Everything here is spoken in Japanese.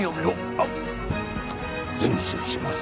あっ善処します。